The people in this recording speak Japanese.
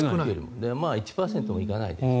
１％も行かないです。